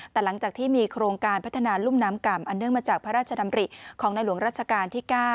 แต่หลังจากที่มีโครงการพัฒนารุ่มน้ำก่ำอันเนื่องมาจากพระราชดำริของในหลวงรัชกาลที่๙